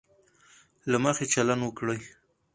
له مخي چلند وکړي.